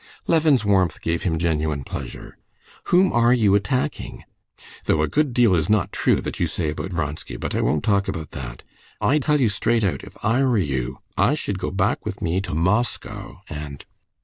Levin's warmth gave him genuine pleasure. "Whom are you attacking? Though a good deal is not true that you say about Vronsky, but I won't talk about that. I tell you straight out, if I were you, I should go back with me to Moscow, and...."